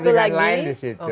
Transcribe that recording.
ada kepentingan lain di situ